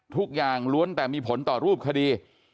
ทุกอย่างล้วนแต่มีผลต่อรูปคดี